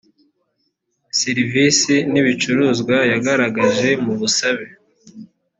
seirivisi n ibicuruzwa yagaragaje mu busabe